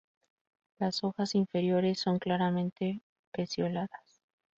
Las hojas inferiores son claramente pecioladas.